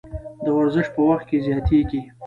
د ورزش په وخت کې زیاتیږي.